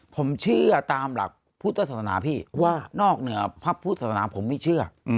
ผมเชื่อตามหลักพุทธศาสนาพี่ว่านอกเหนือพระพุทธศาสนาผมไม่เชื่อ